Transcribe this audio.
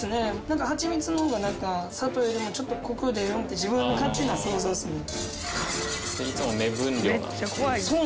なんかハチミツの方が砂糖よりもちょっとコクが出るって自分の勝手な想像ですね。